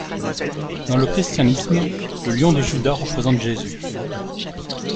Dans le christianisme, le lion de Juda représente Jésus.